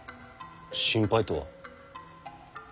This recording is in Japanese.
心配とは？